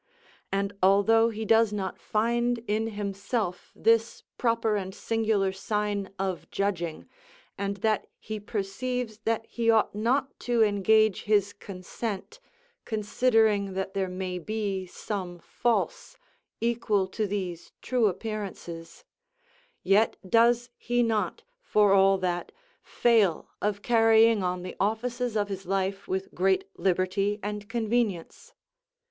And although he does not find in himself this proper and singular sign of judging, and that he perceives that he ought not to engage his consent, considering that there may be some false, equal to these true appearances, yet does he not, for all that, fail of carrying on the offices of his life with great liberty and convenience.